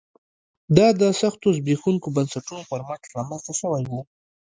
دا د سختو زبېښونکو بنسټونو پر مټ رامنځته شوی و